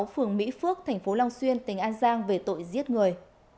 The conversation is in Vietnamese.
phường mỹ phước thành phố long xuyên tỉnh an giang về tội giết người